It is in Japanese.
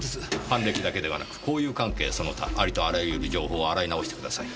犯歴だけではなく交友関係その他ありとあらゆる情報を洗い直してください。